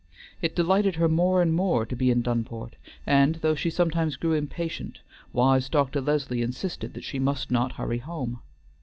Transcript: It delighted her more and more to be in Dunport, and though she sometimes grew impatient, wise Dr. Leslie insisted that she must not hurry home.